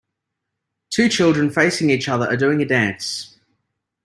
Two children facing each other are doing a dance.